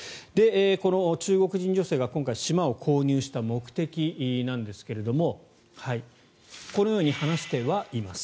この中国人女性が今回島を購入した目的なんですがこのように話してはいます。